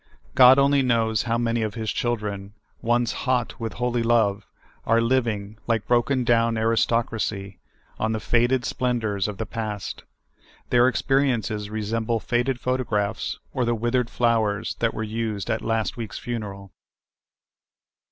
God only knows how many of His children, once hot with holy love, are living, like broken down aristocracy, on the faded splendors of the past. Their experiences resemble faded photo graphs, or the withered flowers that were used at last week's funeral.